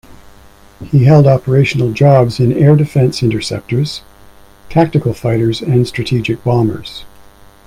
He held operational jobs in air defense interceptors, tactical fighters and strategic bombers.